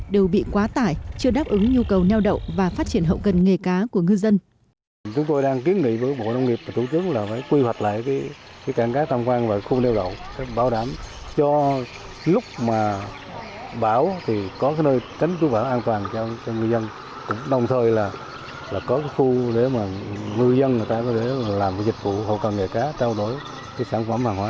đều bị quá tải chưa đáp ứng nhu cầu neo đậu và phát triển hậu cần nghề cá của ngư dân